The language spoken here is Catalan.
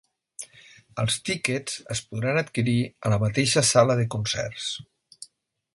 Els tiquets es podran adquirir a la mateixa sala de concerts.